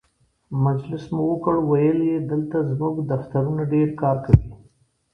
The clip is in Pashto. مجلس مو وکړ، ویل یې دلته زموږ دفترونه ډېر کار کوي.